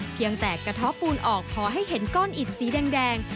เพียงแต่กระท้อปูนออกขอให้เห็นก้อนอิดสีแดง